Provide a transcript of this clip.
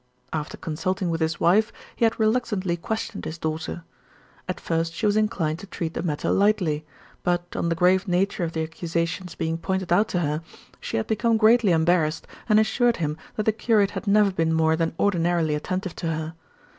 After consulting with his wife, he had reluctantly questioned his daughter. At first she was inclined to treat the matter lightly; but on the grave nature of the accusations being pointed out to her, she had become greatly embarrassed and assured him that the curate had never been more than ordinarily attentive to her.